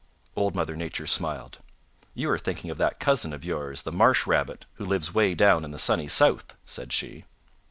Old Mother Nature smiled. "You are thinking of that cousin of yours, the Marsh Rabbit who lives way down in the Sunny South," said she.